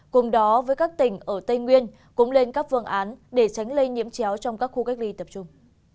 cùng đó với các tỉnh ở tây nguyên cũng lên các phương án để tránh lây nhiễm chéo trong các khu cách ly tập trung